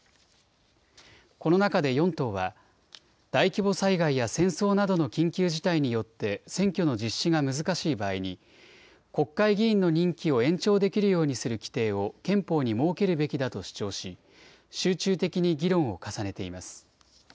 この中で４党は、大規模災害や戦争などの緊急事態によって選挙の実施が難しい場合に、国会議員の任期を延長できるようにする規定を憲法に設けるべきだと主張し、集中的に議論を重ねています。